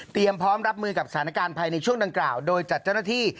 พร้อมรับมือกับสถานการณ์ภายในช่วงดังกล่าวโดยจัดเจ้าหน้าที่